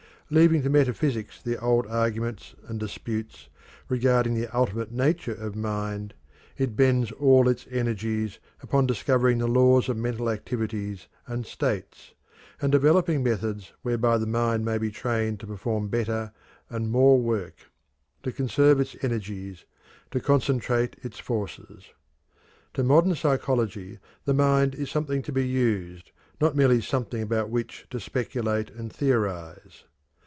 Leaving to metaphysics the old arguments and disputes regarding the ultimate nature of mind, it bends all its energies upon discovering the laws of mental activities and states, and developing methods whereby the mind may be trained to perform better and more work, to conserve its energies, to concentrate its forces. To modern psychology the mind is something to be used, not merely something about which to speculate and theorize.